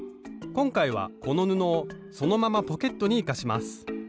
今回はこの布をそのままポケットに生かします